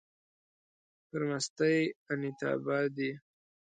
پر مستۍ انيتابا دی